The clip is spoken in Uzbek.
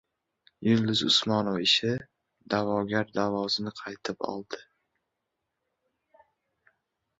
Yulduz Usmonova ishi: da’vogar da’vosini qaytib oldi